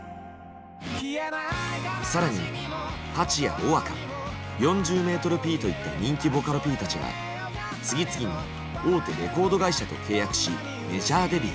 更にハチやｗｏｗａｋａ４０ｍＰといった人気ボカロＰたちが次々に大手レコード会社と契約しメジャーデビュー。